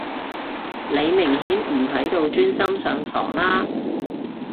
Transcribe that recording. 你明顯唔喺度專心上堂啦